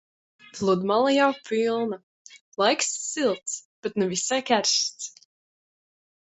Pludmale jau pilna. Laiks silts, bet ne visai karsts.